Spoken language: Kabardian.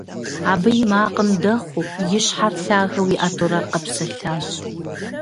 Абы и макъым дэхъуу и щхьэр лъагэу иӀэтурэ къэпсэлъащ.